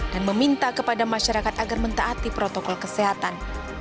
dan meminta kepada masyarakat agar mentaati protokol kesehatan